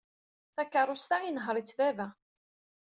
Takeṛṛust-a inehheṛ-itt baba.